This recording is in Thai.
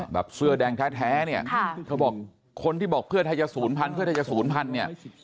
แบบเสื้อแดงแท้เนี่ยเขาบอกคนที่บอกเพื่อไทยจะสูญพันเพื่อไทยจะสูญพันเนี่ย